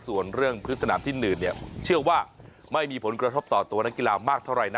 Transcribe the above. ส่วนเรื่องพื้นสนามที่หนืดเนี่ยเชื่อว่าไม่มีผลกระทบต่อตัวนักกีฬามากเท่าไหร่นะ